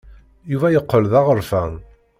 Yuba yeqqel d aɣerfan.